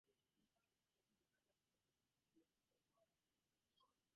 The Jewellery Quarter is the largest concentration of dedicated jewellers in Europe.